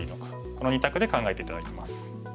この２択で考えて頂きます。